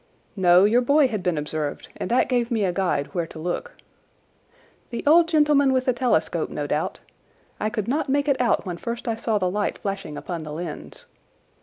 "No, your boy had been observed, and that gave me a guide where to look." "The old gentleman with the telescope, no doubt. I could not make it out when first I saw the light flashing upon the lens."